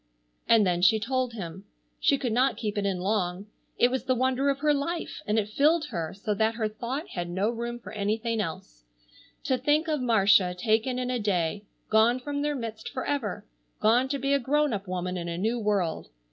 And then she told him. She could not keep it in long. It was the wonder of her life, and it filled her so that her thought had no room for anything else. To think of Marcia taken in a day, gone from their midst forever, gone to be a grown up woman in a new world!